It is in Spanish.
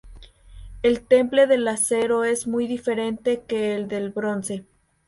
El temple del acero es muy diferente que el del bronce.